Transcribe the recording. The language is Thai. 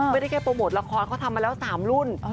ไม่ได้แค่โปรโมทละครเขาทำมาแล้ว๓รุ่น